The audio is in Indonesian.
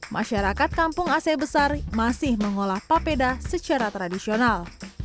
masyarakat kampung ac besar masih mengolah papeda secara tradisional